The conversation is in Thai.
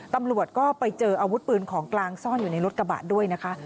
ตำรวจก็ไปเจออาวุธปืนของกลางซ่อนอยู่ในรถกระบะด้วยนะคะ